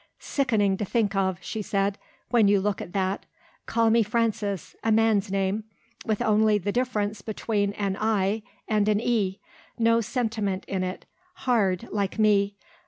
"Sickening to think of," she said, "when you look at that. Call me Frances a man's name, with only the difference between an i and an e. No sentiment in it; hard, like me.